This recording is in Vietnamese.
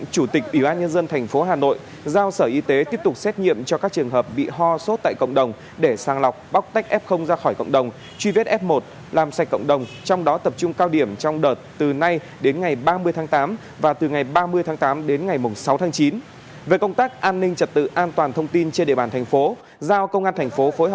chủ tịch ủy ban nhân dân tp hà nội yêu cầu tuyên truyền mạnh hơn hiệu quả hơn để nhân dân nắm rõ sự nguy hiểm của dịch bệnh và thực hiện nghiêm các quy định của thành phố tại các chỉ thị công điện của ủy ban nhân dân tp hà nội